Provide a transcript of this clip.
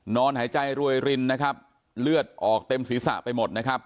นอนหายใจรวยรินนะครับเลือดออกเต็มศีรษะไปหมดนะครับ